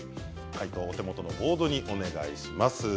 解答をお手元のボードにお願いします。